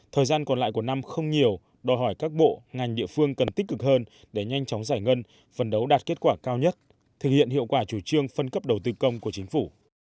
thời gian còn lại của năm không nhiều đòi hỏi các bộ ngành địa phương cần tích cực hơn để nhanh chóng giải ngân phần đấu đạt kết quả cao nhất thực hiện hiệu quả chủ trương phân cấp đầu tư công của chính phủ